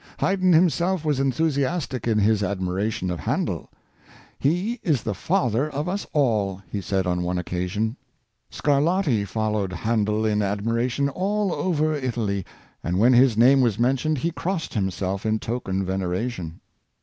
Haydn himself was enthusiastic in his admiration of Handel. " He is the father of us all," he said on one occasion. Scarlatti followed Handel in admiration all over Italy, and, when his name was mentioned, he crossed himself in token of veneration.